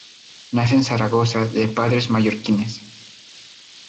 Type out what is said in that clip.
Nace en Zaragoza, de padres mallorquines.